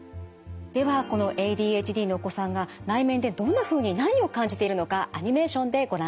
ではこのＡＤＨＤのお子さんが内面でどんなふうに何を感じているのかアニメーションでご覧ください。